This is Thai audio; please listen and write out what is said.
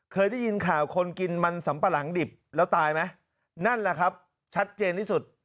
เคยได้ยินข่าวคนกินมันสำปะหลังดิบแล้วตายไหมนั่นแหละครับชัดเจนที่สุด